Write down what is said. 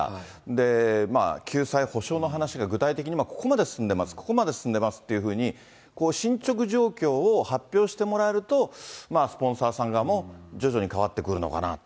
で、救済補償の話が具体的にここまで進んでます、ここまで進んでますっていうふうに、進捗状況を発表してもらえると、スポンサーさん側も徐々に変わってくるのかなと。